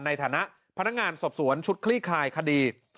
ในฐานะพนักงานสอบสวนชุดคลี่คลายคดี